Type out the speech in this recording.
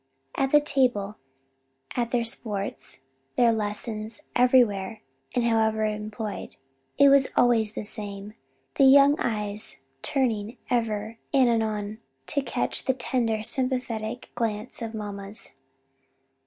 At the table, at their sports, their lessons, everywhere and however employed, it was always the same, the young eyes turning ever and anon to catch the tender, sympathetic glance of mamma's.